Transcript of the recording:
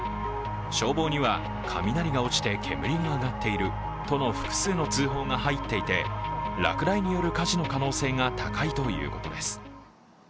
消防には雷が落ちて煙が上がっているとの複数の通報が入っていて、落雷による火事の可能性が高いということです。